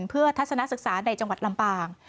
เพื่อทัศนศึกษาในจังหวัดลำปาง